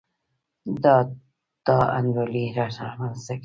دا نا انډولي رامنځته کوي.